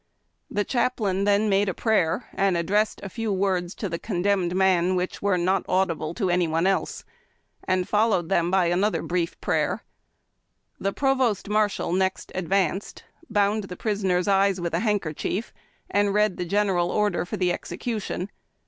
The chaplain then made a prayer, and addressed a few words to the condemned man, which were not audible to any one else, and followed them by another brief prayer. The provost marshal next advanced, bound the prisoner's eyes with a handkerchief, and read the general order for the execution.